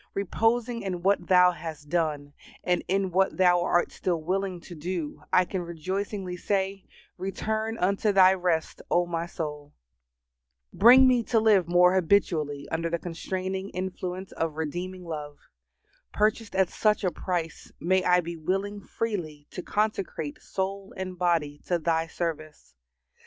Reposing in what Thou has done, and in what Thou art still willing to do, I can rejoicingly say, "Return unto thy rest, O my soul." Bring me to live more habitually under the constraining influence of redeeming love. Purchased at such a price, may I be willing freely to consecrate soul and body to Thy service.